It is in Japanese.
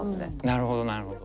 なるほどなるほど。